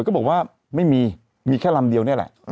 ก็บอกว่าไม่มีมีแค่ลำเดียวนี่แหละ